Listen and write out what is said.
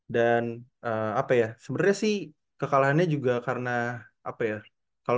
apa ya sebenarnya sih kekalahannya juga karena apa ya